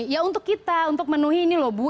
ya untuk kita untuk menuhi ini loh bu